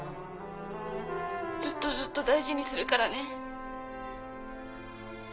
「ずっとずっと大事にするからね」